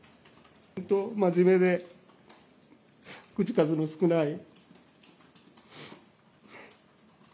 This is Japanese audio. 真面目で口数の少ない。